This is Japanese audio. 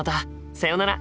さよなら。